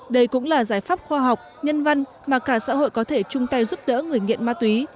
đây cũng là giải pháp khoa học nhân văn mà cả xã hội có thể chung tay giúp đỡ người nghiện ma túy